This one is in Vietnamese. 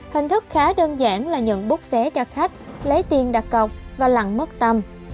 hình thức khá đơn giản là nhận bút vé cho khách lấy tiền đặt cọc và lặn mất tâm